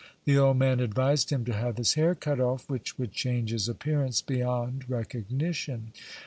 The old man advised him to have his hair cut off, which would change his appearance beyond recognition.